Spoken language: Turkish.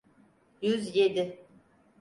Yüz yedi.